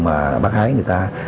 mà bắt ái người ta